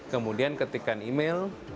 kemudian ketikkan email